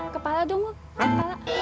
kepala dong wak